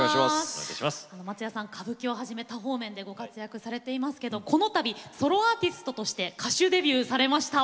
松也さん、歌舞伎をはじめ多方面でご活躍ですけどもこのたびソロアーティストとして歌手デビューされました。